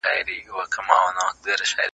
زموږ بزګران ملاتړ ته اړتیا لري.